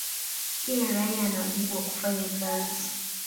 kila raia ana wajibu wa kufanya kazi